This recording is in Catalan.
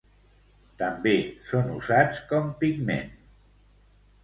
També són usats com pigment.